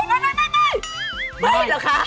ไม่เหรอคะ